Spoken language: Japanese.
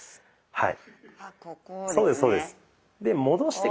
はい。